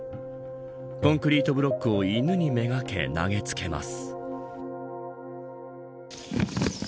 コンクリートブロックを犬にめがけ投げつけます。